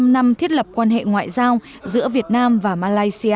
bảy mươi năm năm thiết lập quan hệ ngoại giao giữa việt nam và malaysia